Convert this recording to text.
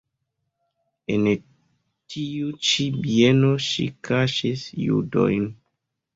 En tiu ĉi bieno ŝi kaŝis judojn.